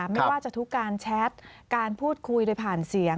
ไม่ว่าจะทุกการแชทการพูดคุยโดยผ่านเสียง